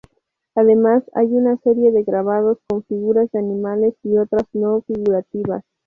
Además hay una serie de grabados con figuras de animales y otras no figurativas.